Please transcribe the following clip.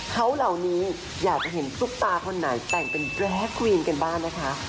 เขาเหล่านี้อยากจะเห็นซุปตาคนไหนแต่งเป็นแรควีนกันบ้างนะคะ